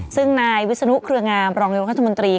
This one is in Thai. ซึ่งนายวิศนุเครืองามรองนายกรัฐมนตรี